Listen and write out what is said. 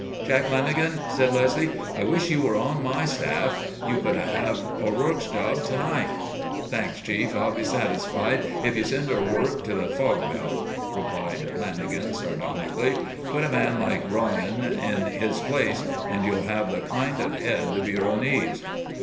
"Jack Lanagan," said Leslie, "I wish you were on my staff. You could have O'Rourke's job to night." "Thanks, Chief, I'll be satisfied if you send O'Rourke to the fog belt," replied Lanagan, sardonically. "Put a man like Royan in his place and you'll have the kind of head the bureau needs."